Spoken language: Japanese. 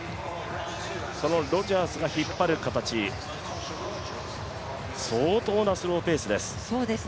そのロジャースが引っ張る形、相当なスローペースです。